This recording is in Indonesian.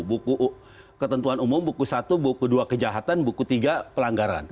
buku ketentuan umum buku satu buku dua kejahatan buku tiga pelanggaran